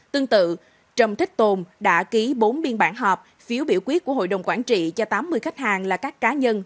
tương tự trầm thích tồn đã ký bốn biên bản họp phiếu biểu quyết của hội đồng quản trị cho tám mươi khách hàng là các cá nhân